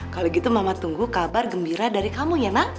kalau gitu mama tunggu kabar gembira dari kamu ya nak